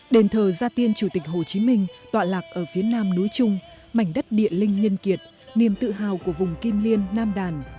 đền thờ gia tiên chủ tịch hồ chí minh tọa lạc ở phía nam núi trung mảnh đất địa linh nhân kiệt niềm tự hào của vùng kim liên nam đàn